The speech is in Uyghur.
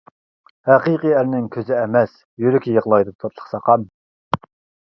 -ھەقىقىي ئەرنىڭ كۆزى ئەمەس، يۈرىكى يىغلايدۇ تاتلىق ساقام!